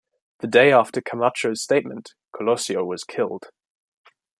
The day after Camacho's statement, Colosio was killed.